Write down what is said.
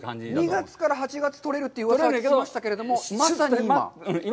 ２月から８月取れるといううわさも聞きましたけれども、まさに今？